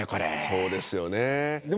そうですよね。